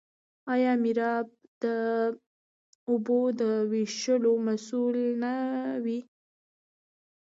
آیا میرآب د اوبو د ویش مسوول نه وي؟